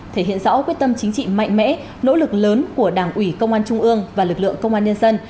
thể hiện rõ quyết tâm chính trị mạnh mẽ nỗ lực lớn của đảng ủy công an trung ương và lực lượng công an nhân dân